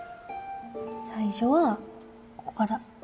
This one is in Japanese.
最初はここから。